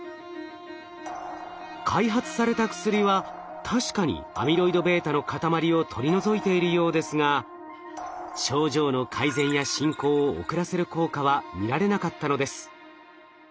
開発された薬は確かにアミロイドβの塊を取り除いているようですが症状の改善や進行を遅らせる効果は見られなかったのです。